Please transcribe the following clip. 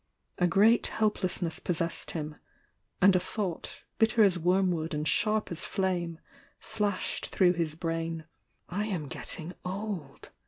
A great helplessness possessed him,— and a thought, bitter as wormwood and sharp as flame, flashed through his brain: "I ain getting old!"